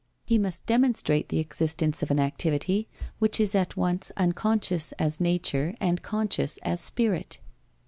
He must demonstrate the existence of an activity, which is at once unconscious as nature and conscious as spirit.